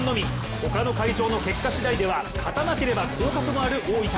他の会場の結果次第では勝たなければ降格もある大分。